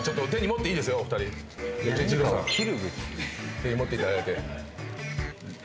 手に持っていただいて。